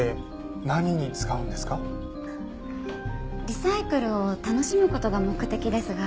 リサイクルを楽しむ事が目的ですが。